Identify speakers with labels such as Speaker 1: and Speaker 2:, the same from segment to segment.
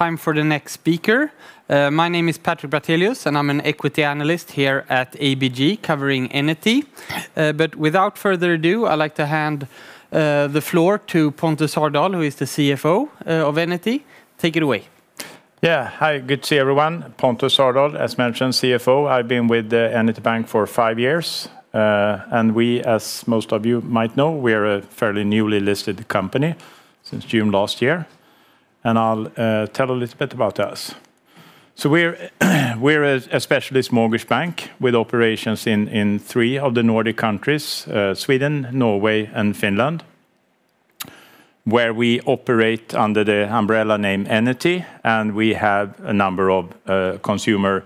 Speaker 1: Time for the next speaker. My name is Patrik Brattelius, I'm an equity analyst here at ABG covering Enity. Without further ado, I'd like to hand the floor to Pontus Sardal, who is the CFO of Enity. Take it away.
Speaker 2: Hi, good to see everyone. Pontus Sardal, as mentioned, CFO. I've been with Enity Bank for five years. We, as most of you might know, we are a fairly newly listed company since June last year. I'll tell a little bit about us. We're a specialist mortgage bank with operations in three of the Nordic countries, Sweden, Norway, and Finland, where we operate under the umbrella name Enity, and we have a number of consumer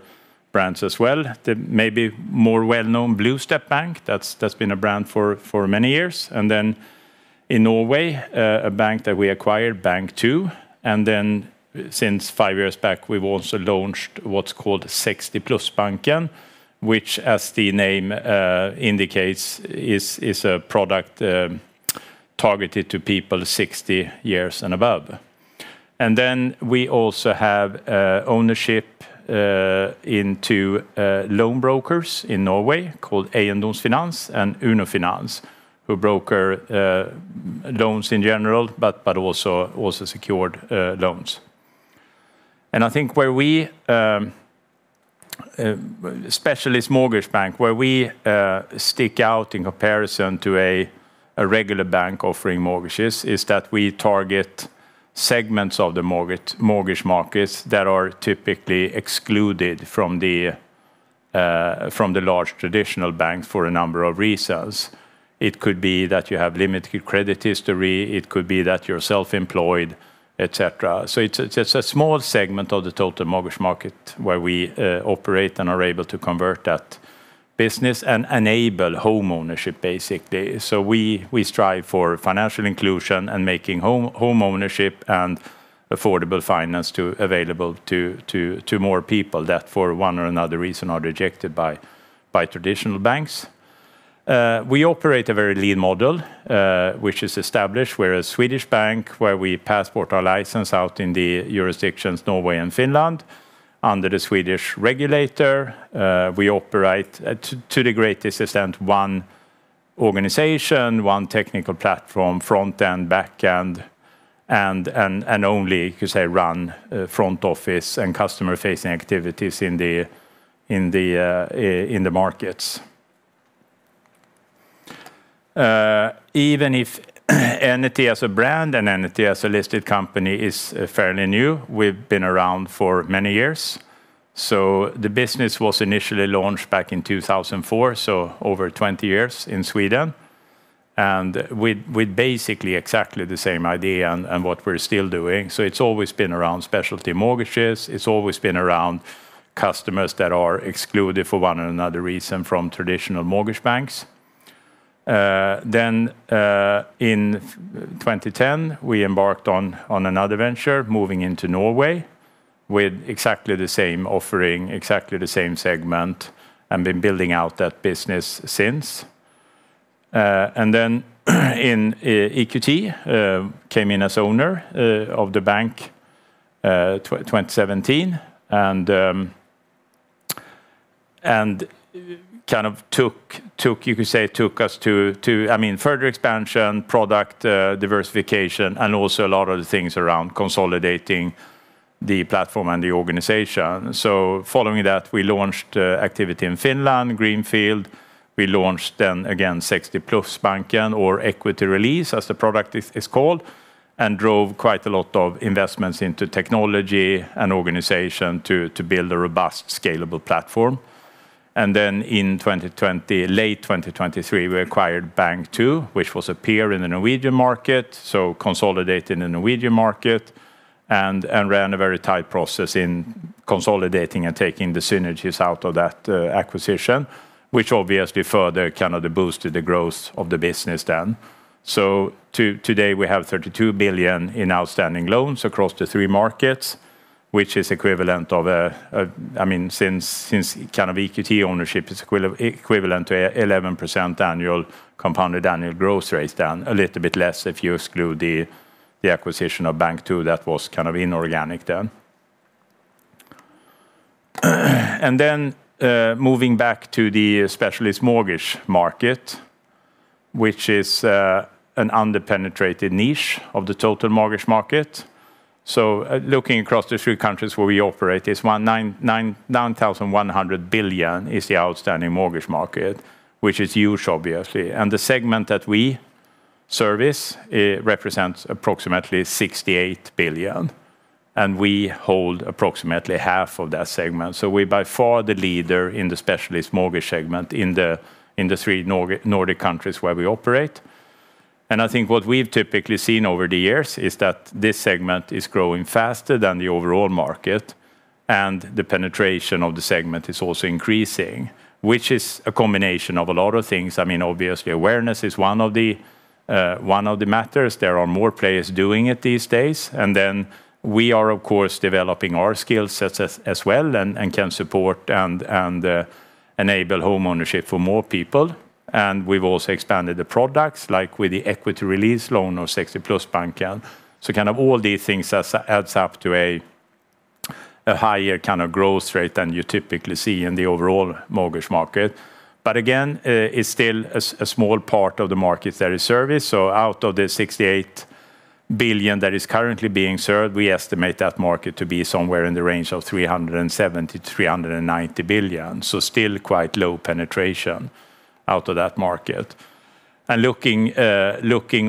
Speaker 2: brands as well. The maybe more well-known Bluestep Bank, that's been a brand for many years. In Norway, a bank that we acquired, Bank2. Since five years back, we've also launched what's called 60plusbanken, which as the name indicates, is a product targeted to people 60 years and above. We also have ownership in two loan brokers in Norway called Eiendomsfinans and Uno Finans, who broker loans in general but also secured loans. I think where we, a specialist mortgage bank, where we stick out in comparison to a regular bank offering mortgages is that we target segments of the mortgage markets that are typically excluded from the large traditional banks for a number of reasons. It could be that you have limited credit history, it could be that you're self-employed, et cetera. It's a small segment of the total mortgage market where we operate and are able to convert that business and enable home ownership, basically. We strive for financial inclusion and making home ownership and affordable finance available to more people that for one or another reason are rejected by traditional banks. We operate a very lean model, which is established where a Swedish bank where we passport our license out in the jurisdictions Norway and Finland under the Swedish regulator. We operate to the greatest extent, one organization, one technical platform, front and back end, and only you could say run front office and customer-facing activities in the markets. Even if Enity as a brand and Enity as a listed company is fairly new, we've been around for many years. The business was initially launched back in 2004, over 20 years in Sweden, and with basically exactly the same idea and what we're still doing. It's always been around specialty mortgages. It's always been around customers that are excluded for one or another reason from traditional mortgage banks. In 2010, we embarked on another venture, moving into Norway with exactly the same offering, exactly the same segment, and been building out that business since. EQT came in as owner of the bank, 2017, and you could say took us to further expansion, product diversification, and also a lot of the things around consolidating the platform and the organization. Following that, we launched activity in Finland, greenfield. We launched then again, 60plusbanken or Equity Release as the product is called, and drove quite a lot of investments into technology and organization to build a robust, scalable platform. In late 2023, we acquired Bank2, which was a peer in the Norwegian market. Consolidating the Norwegian market and ran a very tight process in consolidating and taking the synergies out of that acquisition, which obviously further boosted the growth of the business then. Today we have 32 billion in outstanding loans across the three markets, which is equivalent of a, since EQT ownership is equivalent to 11% compounded annual growth rates down a little bit less if you exclude the acquisition of Bank2, that was inorganic then. Moving back to the specialist mortgage market, which is an under-penetrated niche of the total mortgage market. Looking across the three countries where we operate is 9.1 trillion is the outstanding mortgage market, which is huge, obviously. The segment that we service represents approximately 68 billion, and we hold approximately half of that segment. We're by far the leader in the specialist mortgage segment in the three Nordic countries where we operate. I think what we've typically seen over the years is that this segment is growing faster than the overall market, and the penetration of the segment is also increasing, which is a combination of a lot of things. Obviously, awareness is one of the matters. There are more players doing it these days. We are, of course, developing our skill sets as well and can support and enable home ownership for more people. We've also expanded the products, like with the Equity Release loan of 60plusbanken. All these things adds up to a higher growth rate than you typically see in the overall mortgage market. Again, it's still a small part of the market that is serviced. Out of the 68 billion that is currently being served, we estimate that market to be somewhere in the range of 370 billion-390 billion. Still quite low penetration out of that market. Looking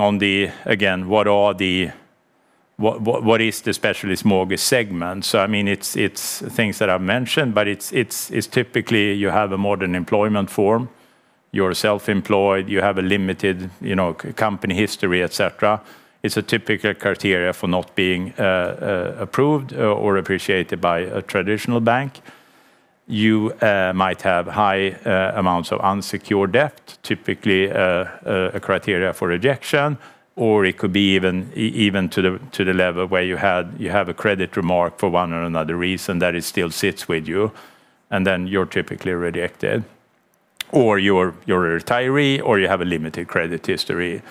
Speaker 2: on the, again, what is the specialist mortgage segment? It's things that I've mentioned, but it's typically you have a modern employment form, you're self-employed, you have a limited company history, et cetera. It's a typical criteria for not being approved or appreciated by a traditional bank. You might have high amounts of unsecured debt, typically a criteria for rejection, or it could be even to the level where you have a credit remark for one or another reason that it still sits with you and then you're typically rejected. You're a retiree, or you have a limited credit history.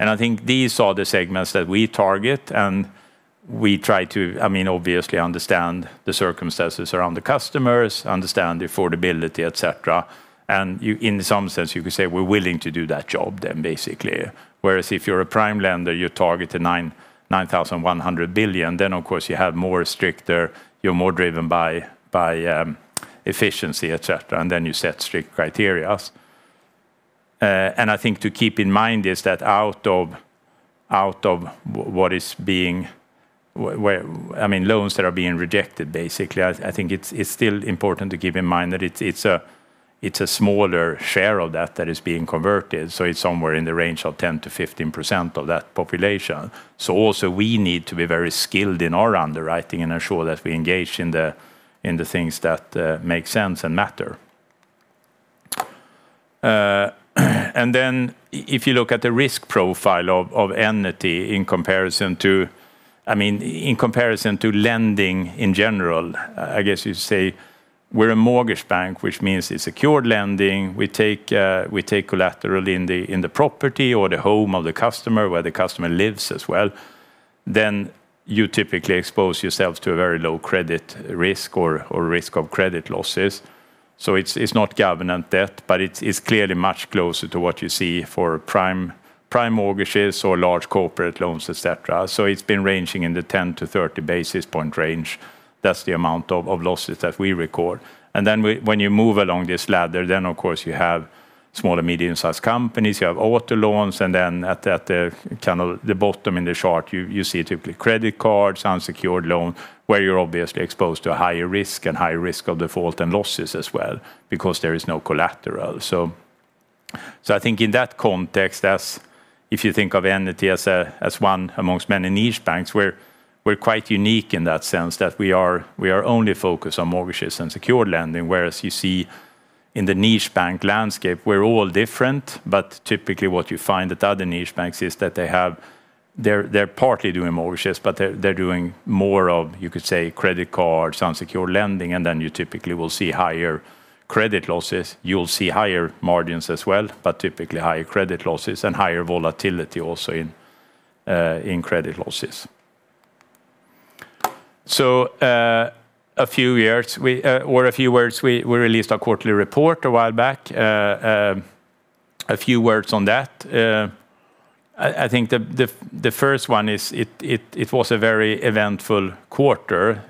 Speaker 2: I think these are the segments that we target, and we try to obviously understand the circumstances around the customers, understand the affordability, et cetera. In some sense, you could say we're willing to do that job then basically. If you're a prime lender, you target the 9.1 trillion, then of course you're more driven by efficiency, et cetera, then you set strict criteria. I think to keep in mind is that out of loans that are being rejected, basically, I think it's still important to keep in mind that it's a smaller share of that that is being converted, so it's somewhere in the range of 10%-15% of that population. Also we need to be very skilled in our underwriting and ensure that we engage in the things that make sense and matter. Then if you look at the risk profile of Enity in comparison to lending in general, I guess you'd say we're a mortgage bank, which means it's secured lending. We take collateral in the property or the home of the customer, where the customer lives as well. You typically expose yourself to a very low credit risk or risk of credit losses. It's not government debt, but it's clearly much closer to what you see for prime mortgages or large corporate loans, et cetera. It's been ranging in the 10 basis points-30 basis points range. That's the amount of losses that we record. When you move along this ladder, then of course you have small and medium-sized companies, you have auto loans, and then at the bottom in the chart, you see typically credit cards, unsecured loan, where you're obviously exposed to a higher risk and higher risk of default and losses as well because there is no collateral. I think in that context, if you think of Enity as one amongst many niche banks, we're quite unique in that sense that we are only focused on mortgages and secured lending. Whereas you see in the niche bank landscape, we're all different, but typically what you find at other niche banks is that they're partly doing mortgages, but they're doing more of, you could say, credit cards, unsecured lending, and then you typically will see higher credit losses. You'll see higher margins as well, but typically higher credit losses and higher volatility also in credit losses. A few words. We released our quarterly report a while back. A few words on that. I think the first one is it was a very eventful quarter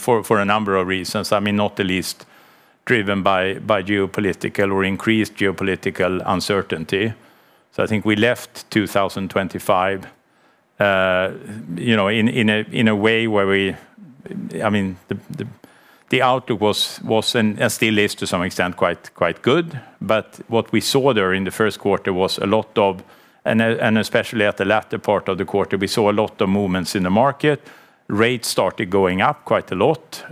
Speaker 2: for a number of reasons. Not the least driven by increased geopolitical uncertainty. I think we left 2025 in a way where the outlook was, and still is to some extent, quite good. What we saw there in the first quarter was a lot of, and especially at the latter part of the quarter, we saw a lot of movements in the market. Rates started going up quite a lot.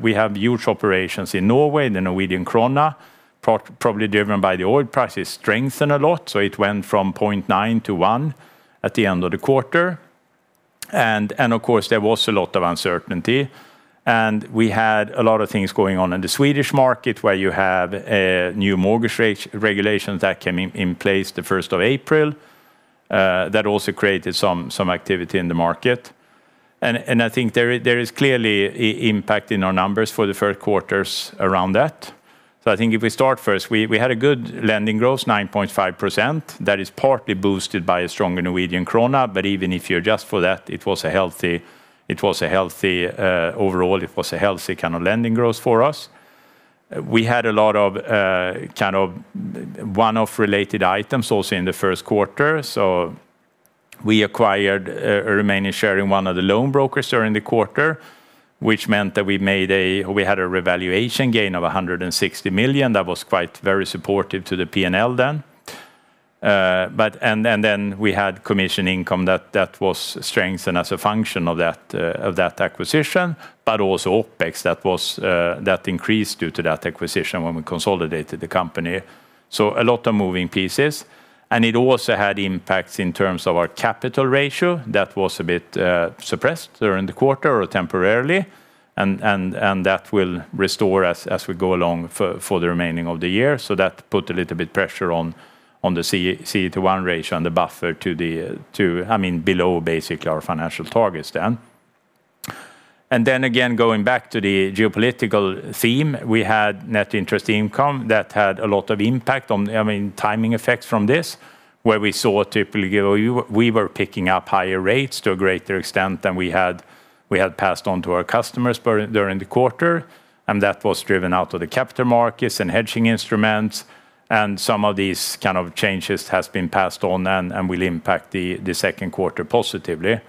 Speaker 2: We have huge operations in Norway. The Norwegian krone, probably driven by the oil prices, strengthened a lot. It went from 0.9 to 1 at the end of the quarter. Of course, there was a lot of uncertainty, and we had a lot of things going on in the Swedish market, where you have new mortgage regulations that came in place the 1st of April. That also created some activity in the market. I think there is clearly impact in our numbers for the first quarters around that. I think if we start first, we had a good lending growth, 9.5%. That is partly boosted by a stronger Norwegian krone. Even if you adjust for that, overall it was a healthy kind of lending growth for us. We had a lot of one-off related items also in the first quarter. We acquired a remaining share in one of the loan brokers during the quarter, which meant that we had a revaluation gain of 160 million. That was quite very supportive to the P&L then. Then we had commission income that was strengthened as a function of that acquisition, also OpEx that increased due to that acquisition when we consolidated the company. A lot of moving pieces. It also had impacts in terms of our capital ratio that was a bit suppressed during the quarter or temporarily, and that will restore as we go along for the remaining of the year. That put a little bit pressure on the CET1 ratio and the buffer below, basically, our financial targets then. Then again, going back to the geopolitical theme, we had net interest income that had a lot of impact on timing effects from this, where we saw typically we were picking up higher rates to a greater extent than we had passed on to our customers during the quarter, and that was driven out of the capital markets and hedging instruments, and some of these kind of changes has been passed on and will impact the second quarter positively.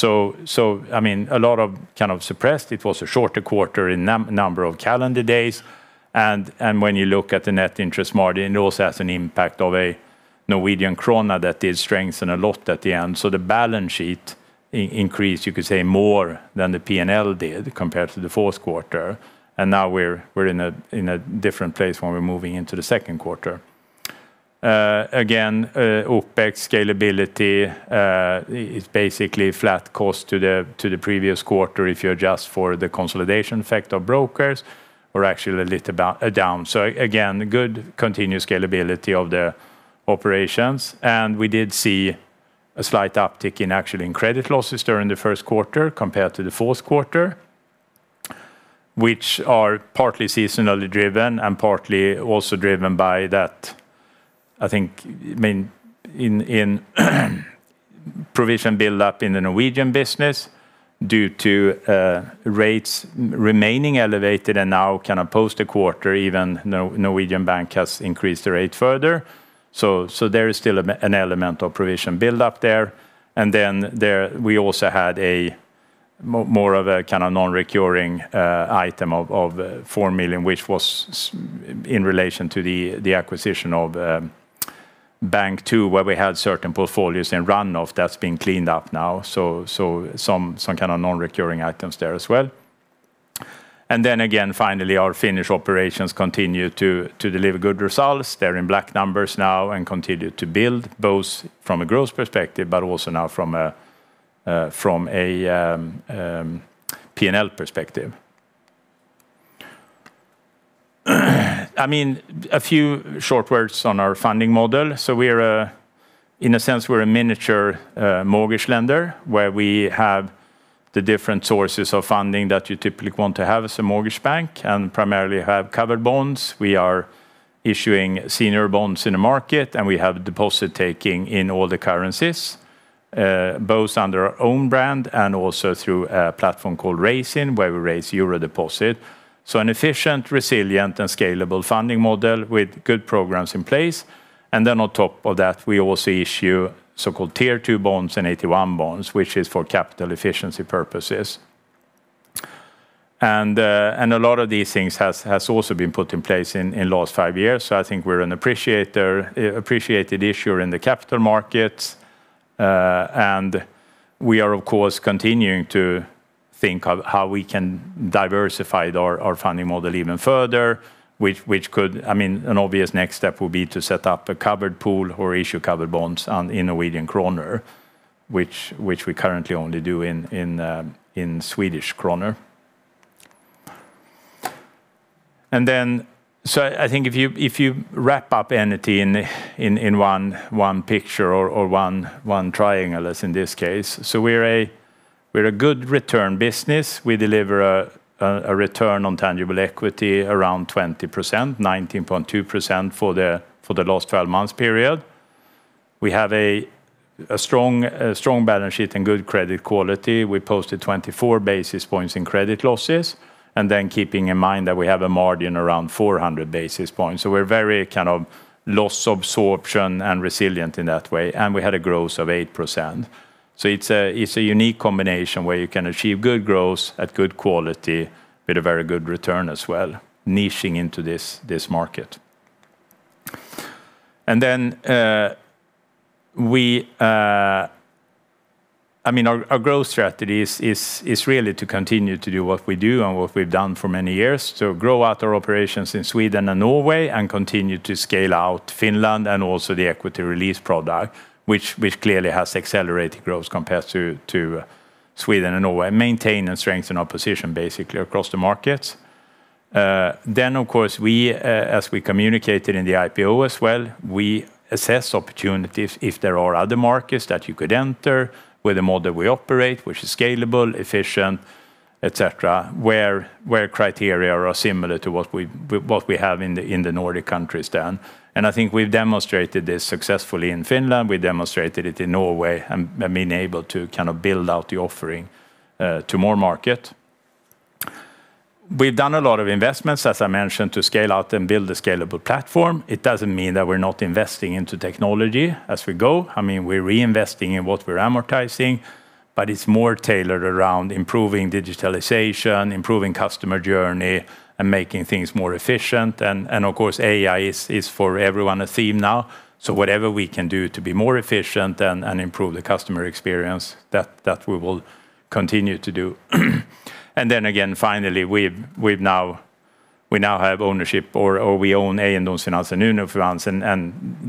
Speaker 2: A lot of kind of suppressed. It was a shorter quarter in number of calendar days, and when you look at the net interest margin, it also has an impact of a Norwegian krone that did strengthen a lot at the end. The balance sheet increased, you could say, more than the P&L did compared to the fourth quarter. Now we're in a different place when we're moving into the second quarter. Again, OpEx scalability is basically flat cost to the previous quarter if you adjust for the consolidation effect of brokers or actually a little down. Again, good continuous scalability of the operations. We did see a slight uptick in actually in credit losses during the first quarter compared to the fourth quarter, which are partly seasonally driven and partly also driven by that, I think in provision build up in the Norwegian business due to rates remaining elevated and now kind of post a quarter even Norwegian Bank has increased the rate further. There is still an element of provision build up there. Then we also had more of a kind of non-recurring item of 4 million, which was in relation to the acquisition of Bank2, where we had certain portfolios and run off that's been cleaned up now. Some kind of non-recurring items there as well. Then again, finally, our Finnish operations continue to deliver good results. They're in black numbers now and continue to build both from a growth perspective, but also now from a P&L perspective. A few short words on our funding model. In a sense, we're a miniature mortgage lender where we have the different sources of funding that you typically want to have as a mortgage bank and primarily have covered bonds. We are issuing senior bonds in the market, and we have deposit taking in all the currencies both under our own brand and also through a platform called Raisin where we raise euro deposit. An efficient, resilient, and scalable funding model with good programs in place. Then on top of that, we also issue so-called Tier 2 bonds and AT1 bonds, which is for capital efficiency purposes. A lot of these things has also been put in place in last five years. I think we're an appreciated issuer in the capital markets. We are of course continuing to think of how we can diversify our funding model even further. An obvious next step will be to set up a covered pool or issue covered bonds in Norwegian krone, which we currently only do in Swedish krona. I think if you wrap up Enity in one picture or one triangle, as in this case, so we're a good return business. We deliver a return on tangible equity around 20%, 19.2% for the last 12 months period. We have a strong balance sheet and good credit quality. We posted 24 basis points in credit losses, and then keeping in mind that we have a margin around 400 basis points. We're very kind of loss absorption and resilient in that way, and we had a growth of 8%. It's a unique combination where you can achieve good growth at good quality with a very good return as well, niching into this market. Our growth strategy is really to continue to do what we do and what we've done for many years to grow out our operations in Sweden and Norway and continue to scale out Finland and also the Equity Release product, which clearly has accelerated growth compared to Sweden and Norway, maintain and strengthen our position basically across the markets. Of course, as we communicated in the IPO as well, we assess opportunities if there are other markets that you could enter with the model we operate, which is scalable, efficient, et cetera, where criteria are similar to what we have in the Nordic countries then. I think we've demonstrated this successfully in Finland. We demonstrated it in Norway and been able to kind of build out the offering to more market. We've done a lot of investments, as I mentioned, to scale out and build a scalable platform. It doesn't mean that we're not investing into technology as we go. We're reinvesting in what we're amortizing, but it's more tailored around improving digitalization, improving customer journey, and making things more efficient. Of course, AI is for everyone a theme now. Whatever we can do to be more efficient and improve the customer experience, that we will continue to do. Then again, finally, we now have ownership or we own Uno Finans and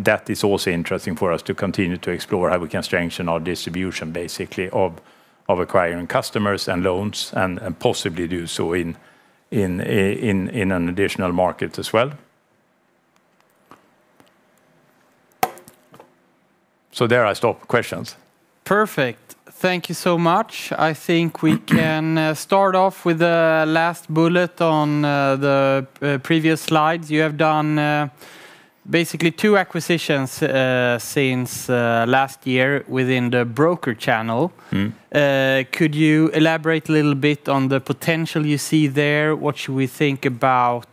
Speaker 2: that is also interesting for us to continue to explore how we can strengthen our distribution basically of acquiring customers and loans and possibly do so in an additional market as well. There I stop. Questions?
Speaker 1: Perfect. Thank you so much. I think we can start off with the last bullet on the previous slide. You have done basically two acquisitions since last year within the broker channel. Could you elaborate a little bit on the potential you see there? What should we think about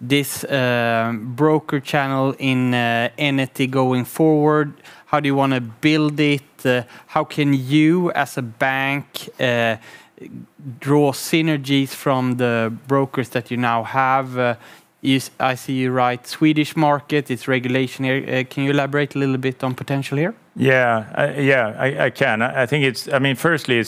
Speaker 1: this broker channel in Enity going forward? How do you want to build it? How can you, as a bank, draw synergies from the brokers that you now have? I see you write Swedish market, it is regulation. Can you elaborate a little bit on potential here?
Speaker 2: Yeah. I can. Firstly,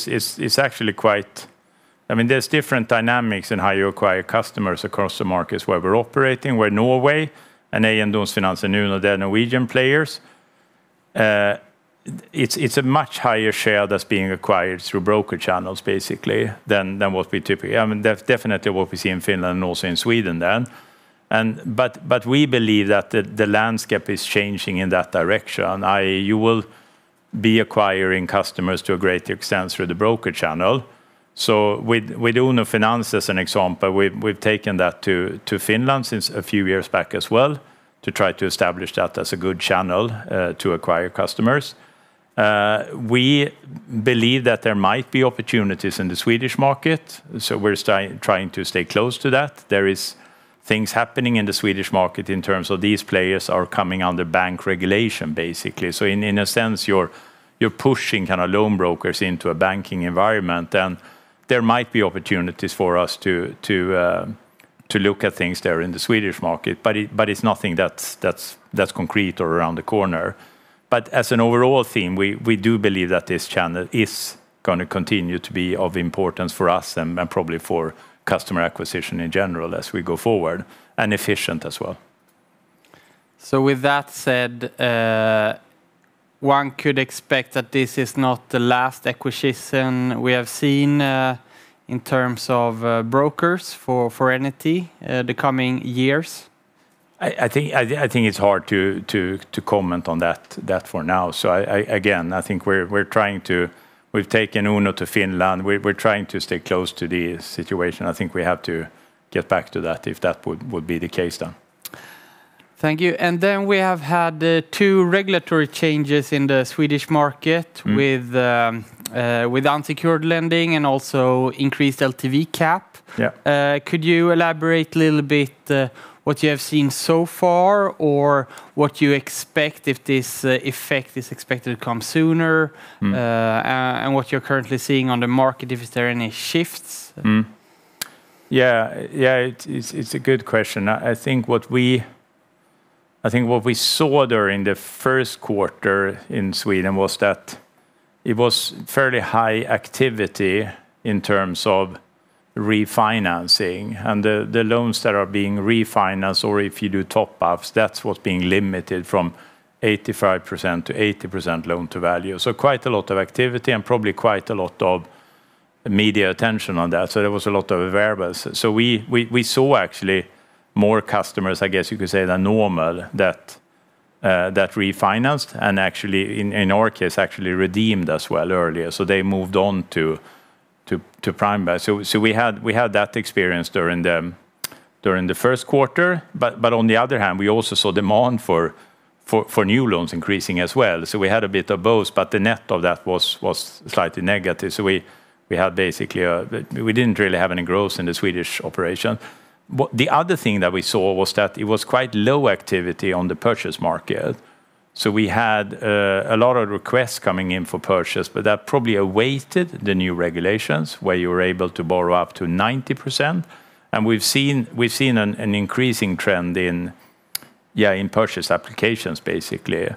Speaker 2: there's different dynamics in how you acquire customers across the markets where we're operating, where Norway and Uno Finans, Uno, they're Norwegian players. It's a much higher share that's being acquired through broker channels, basically, than what we typically Definitely what we see in Finland also in Sweden then. We believe that the landscape is changing in that direction, i.e., you will be acquiring customers to a great extent through the broker channel. With Uno Finans as an example, we've taken that to Finland since a few years back as well to try to establish that as a good channel to acquire customers. We believe that there might be opportunities in the Swedish market, we're trying to stay close to that. There is things happening in the Swedish market in terms of these players are coming under bank regulation, basically. In a sense, you're pushing loan brokers into a banking environment, and there might be opportunities for us to look at things there in the Swedish market. It's nothing that's concrete or around the corner. As an overall theme, we do believe that this channel is going to continue to be of importance for us and probably for customer acquisition in general as we go forward, and efficient as well.
Speaker 1: With that said, one could expect that this is not the last acquisition we have seen in terms of brokers for Enity the coming years.
Speaker 2: I think it's hard to comment on that for now. Again, I think we've taken Uno to Finland. We're trying to stay close to the situation. I think we have to get back to that if that would be the case then.
Speaker 1: Thank you. We have had two regulatory changes in the Swedish market with unsecured lending and also increased LTV cap.
Speaker 2: Yeah.
Speaker 1: Could you elaborate a little bit what you have seen so far, or what you expect if this effect is expected to come sooner? What you're currently seeing on the market, if there are any shifts.
Speaker 2: Yeah. It's a good question. I think what we saw during the first quarter in Sweden was that it was fairly high activity in terms of refinancing and the loans that are being refinanced, or if you do top ups, that's what's being limited from 85% to 80% loan to value. Quite a lot of activity and probably quite a lot of media attention on that. There was a lot of awareness. We saw actually more customers, I guess you could say, than normal that refinanced and in our case, actually redeemed as well earlier. They moved on to prime bank. We had that experience during the first quarter, but on the other hand, we also saw demand for new loans increasing as well. We had a bit of both, but the net of that was slightly negative. We didn't really have any growth in the Swedish operation. The other thing that we saw was that it was quite low activity on the purchase market. We had a lot of requests coming in for purchase, but that probably awaited the new regulations where you were able to borrow up to 90%. We've seen an increasing trend in purchase applications, basically,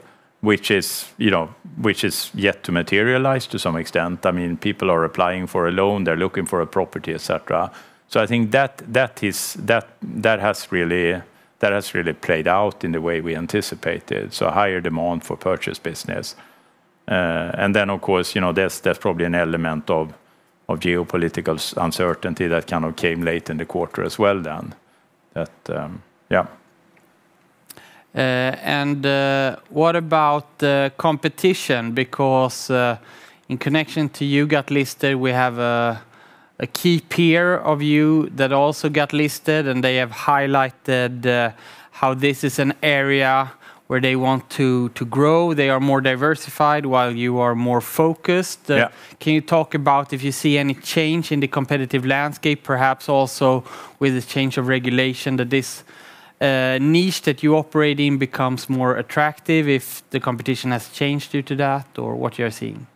Speaker 2: which is yet to materialize to some extent. People are applying for a loan, they're looking for a property, et cetera. I think that has really played out in the way we anticipated, so higher demand for purchase business. Then, of course, there's probably an element of geopolitical uncertainty that came late in the quarter as well then. Yeah.
Speaker 1: What about the competition? Because in connection to you got listed, we have a key peer of you that also got listed, and they have highlighted how this is an area where they want to grow. They are more diversified while you are more focused.
Speaker 2: Yeah.
Speaker 1: Can you talk about if you see any change in the competitive landscape, perhaps also with the change of regulation, that this niche that you operate in becomes more attractive if the competition has changed due to that, or what you're seeing?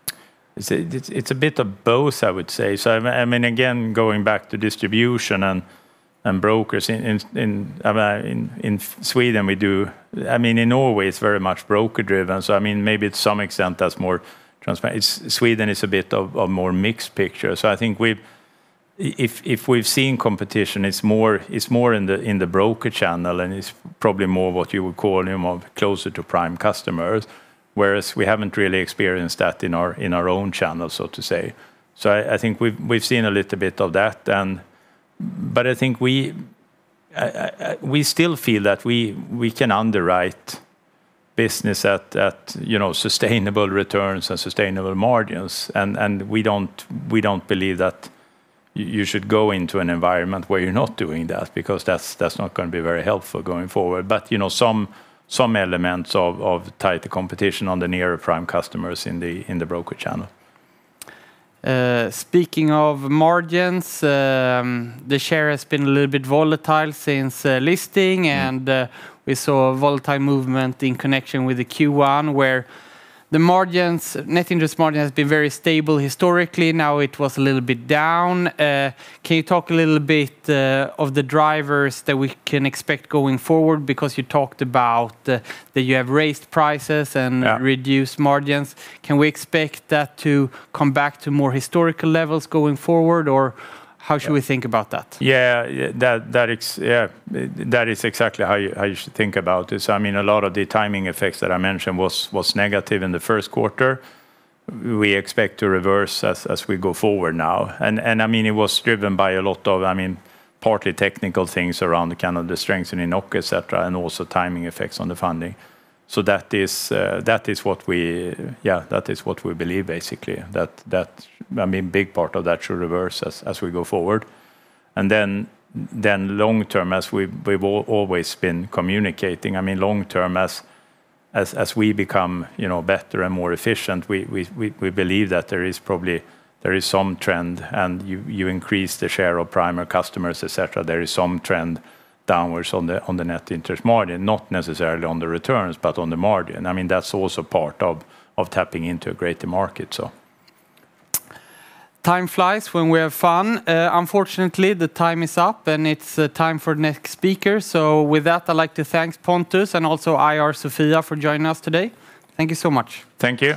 Speaker 2: It's a bit of both, I would say. Again, going back to distribution and brokers in Sweden, we do In Norway, it's very much broker driven, so maybe to some extent that's more transparent. Sweden is a bit of a more mixed picture. I think if we've seen competition, it's more in the broker channel, and it's probably more what you would call closer to prime customers, whereas we haven't really experienced that in our own channel, so to say. I think we've seen a little bit of that. But I think we still feel that we can underwrite business at sustainable returns and sustainable margins. We don't believe that you should go into an environment where you're not doing that because that's not going to be very helpful going forward. Some elements of tighter competition on the near prime customers in the broker channel.
Speaker 1: Speaking of margins, the share has been a little bit volatile since listing. We saw a volatile movement in connection with the Q1, where the margins, net interest margin, has been very stable historically. Now it was a little bit down. Can you talk a little bit of the drivers that we can expect going forward because you talked about that you have raised prices?
Speaker 2: Yeah
Speaker 1: reduced margins. Can we expect that to come back to more historical levels going forward, or how should we think about that?
Speaker 2: Yeah. That is exactly how you should think about this. A lot of the timing effects that I mentioned was negative in the first quarter. We expect to reverse as we go forward now. It was driven by a lot of partly technical things around the strengthening NOK, et cetera, and also timing effects on the funding. That is what we believe basically, that big part of that should reverse as we go forward. Then long term, as we've always been communicating, long term as we become better and more efficient, we believe that there is probably some trend and you increase the share of prime customers, et cetera. There is some trend downwards on the net interest margin, not necessarily on the returns, but on the margin. That's also part of tapping into a greater market.
Speaker 1: Time flies when we have fun. Unfortunately, the time is up and it's time for next speaker. With that, I'd like to thank Pontus and also IR Sofia for joining us today. Thank you so much.
Speaker 2: Thank you.